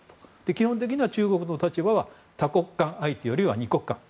基本的には中国の立場は多国間相手よりは二国間。